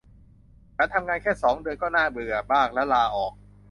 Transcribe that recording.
ฉันทำงานแค่สองเดือนก็เบื่อมากและลาออก